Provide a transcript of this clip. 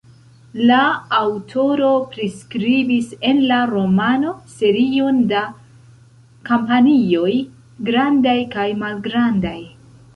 La aŭtoro priskribis en la romano serion da kampanjoj grandaj kaj malgrandaj.